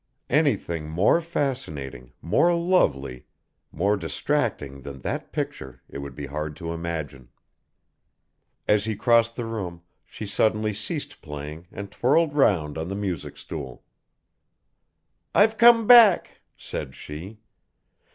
Anything more fascinating, more lovely, more distracting than that picture it would be hard to imagine. As he crossed the room she suddenly ceased playing and twirled round on the music stool. "I've come back," said she.